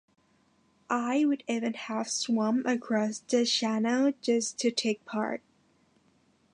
I would even have swum across the channel just to take part.